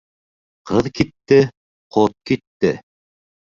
Ҡыҙ китте, ҡот китте.